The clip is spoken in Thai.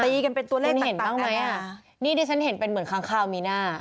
ตีกันเป็นตัวเลขต่างน่ะฮือนี่ดิฉันเห็นเป็นเหมือนครั้งค่าวมีน่ะ